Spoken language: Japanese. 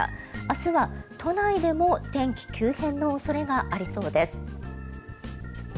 明日は都内でも天気急変の恐れがありそうです。